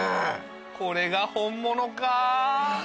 これが本物か！